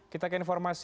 kita ke informasi